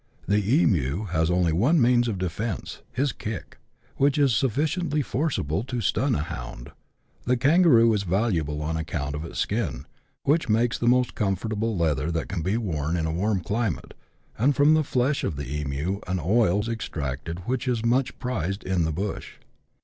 The emu has only one means of defence, his kick, which is sufficiently forcible to stun a hound. The kangaroo is valuable on account of his skin, which makes the most comfortable leather that can be worn in a warm climate ; and from the flesh of the emu an oil is extracted which is much prized in " the bush."